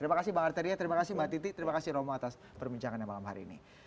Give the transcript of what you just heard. terima kasih bang arteria terima kasih mbak titi terima kasih romo atas perbincangannya malam hari ini